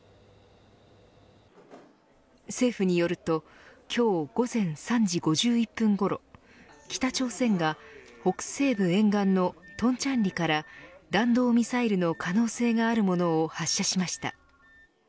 政府によると今日午前３時５１分ごろ北朝鮮が北西部沿岸の東倉里から弾道ミサイルの可能性があるものを発射しました。